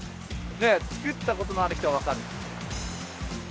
作ったことのある人はわかる。